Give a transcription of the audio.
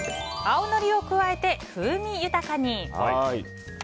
青のりを加えて風味豊かに！